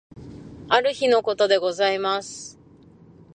ある日の事でございます。